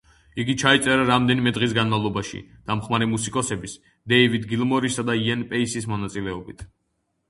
იგი ჩაიწერა რამდენიმე დღის განმავლობაში, დამხმარე მუსიკოსების, დევიდ გილმორისა და იენ პეისის მონაწილეობით.